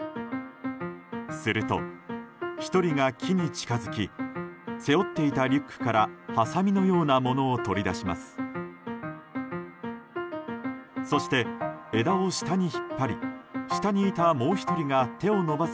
すると、１人が木に近づき背負っていたリュックからはさみのようなものを取り出します。